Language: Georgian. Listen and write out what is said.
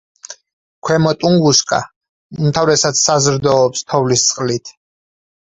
ქვემო ტუნგუსკა უმთავრესად საზრდოობს თოვლის წყლით.